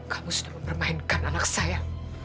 kamu sudah mempermainkan anak saya